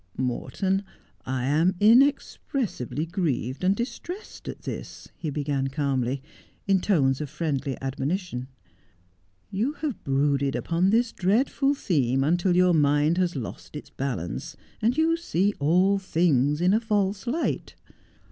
' Morton, I am inexpressibly grieved and distressed at this,' he began calmly, in tones of friendly admonition. ' You have brooded upon this dreadful theme until your mind has lost its balance, and you see all things in a false light.